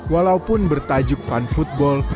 walaupun bertajuk fan football